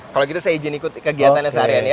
kalau gitu saya izin ikut kegiatannya seharian ya